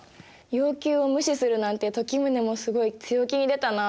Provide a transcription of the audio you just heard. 要求を無視するなんて時宗もすごい強気に出たな。